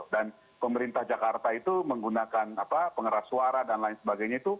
dan pemerintah jakarta itu menggunakan pengeras suara dan lain sebagainya